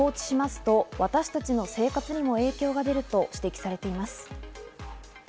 このまま放置しますと、私たちの生活にも影響が出ると指摘されています。